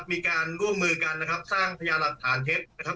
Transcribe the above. มีการร่วมมือกันนะครับสร้างพญาหลักฐานเท็จนะครับ